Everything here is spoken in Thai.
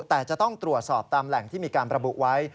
แต่จะต้องตรวจสอบตามแหล่งที่มีการประบุไว้